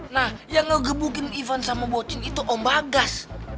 nah yang ngegebukin ivan sama bocin itu om bagas